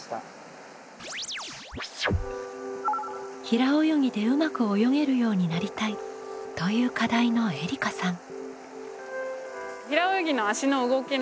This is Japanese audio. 「平泳ぎでうまく泳げるようになりたい」という課題のえりかさん。